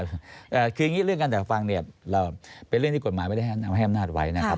คืออย่างนี้เรื่องการจัดฟังเนี่ยเราเป็นเรื่องที่กฎหมายไม่ได้ให้อำนาจไว้นะครับ